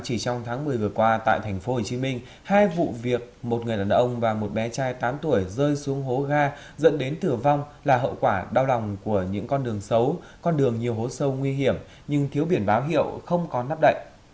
chỉ trong tháng một mươi vừa qua tại tp hcm hai vụ việc một người đàn ông và một bé trai tám tuổi rơi xuống hố ga dẫn đến tử vong là hậu quả đau lòng của những con đường xấu con đường nhiều hố sâu nguy hiểm nhưng thiếu biển báo hiệu không có nắp đậy